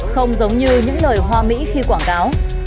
không giống như những lời hoa mỹ khi quảng cáo